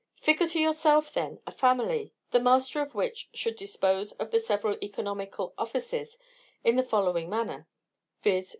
Figure to yourself then a family, the master of which should dispose of the several economical offices in the following manner; viz.